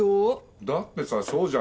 だってさそうじゃん。